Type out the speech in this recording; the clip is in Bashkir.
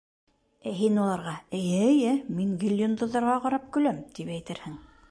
Ә һин уларға: «Эйе, эйе, мин гел йондоҙҙарға ҡарап көләм!» тип әйтерһең.